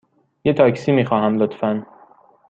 یه تاکسی می خواهم، لطفاً.